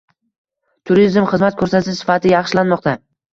Turizm: xizmat ko‘rsatish sifati yaxshilanmoqda